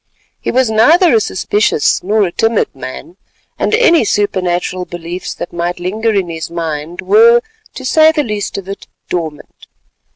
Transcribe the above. He was neither a superstitious nor a timid man, and any supernatural beliefs that might linger in his mind were, to say the least of it, dormant.